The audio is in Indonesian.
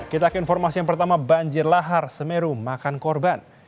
kita ke informasi yang pertama banjir lahar semeru makan korban